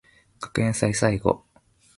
学園祭最後